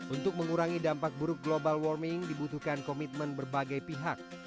untuk mengurangi dampak buruk global warming dibutuhkan komitmen berbagai pihak